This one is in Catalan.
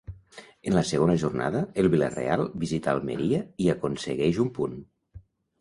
En la segona jornada el Vila-real visità Almeria i aconseguix un punt.